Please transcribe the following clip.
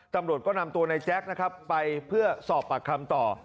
ตำรวจก็นำตัวในแจ๊คนะครับไปเพื่อสอบปากคำต่อ